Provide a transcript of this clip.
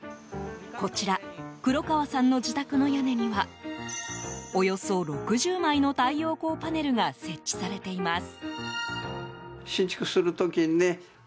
こちら黒川さんの自宅の屋根にはおよそ６０枚の太陽光パネルが設置されています。